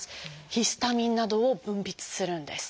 「ヒスタミン」などを分泌するんです。